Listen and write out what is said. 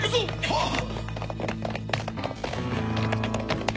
はっ！